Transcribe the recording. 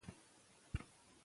مدیر وویل چې نظم ضروري دی.